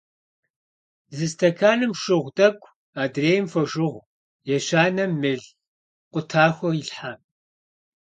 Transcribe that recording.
Зы стэканым шыгъу тӀэкӀу, адрейм — фошыгъу, ещанэм — мел къутахуэ илъхьэ.